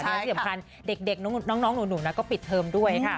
และที่สำคัญเด็กน้องหนูก็ปิดเทอมด้วยค่ะ